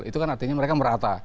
itu kan artinya mereka merata